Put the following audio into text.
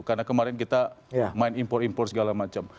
karena kemarin kita main import import segala macam